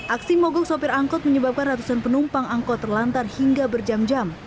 aksi mogok sopir angkot menyebabkan ratusan penumpang angkot terlantar hingga berjam jam